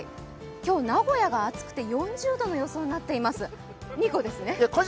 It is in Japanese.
今日、名古屋が暑くて４０度の予想になっています。